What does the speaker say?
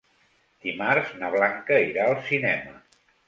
Dimarts na Blanca irà al cinema.